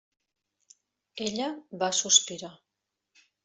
Ella va sospirar.